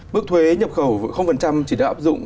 bước thuế nhập khẩu chỉ được áp dụng